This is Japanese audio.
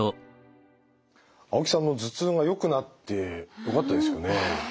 青木さんの頭痛がよくなってよかったですよね。